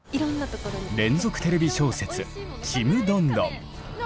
連続テレビ小説「ちむどんどん」。